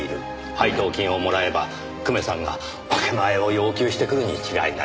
配当金をもらえば久米さんが分け前を要求してくるに違いないと。